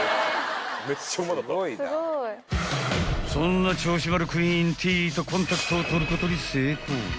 ［そんな銚子丸クイーンＴとコンタクトを取ることに成功］